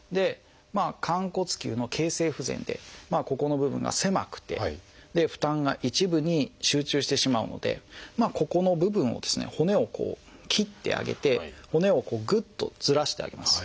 寛骨臼の形成不全でここの部分が狭くて負担が一部に集中してしまうのでここの部分を骨を切ってあげて骨をぐっとずらしてあげます。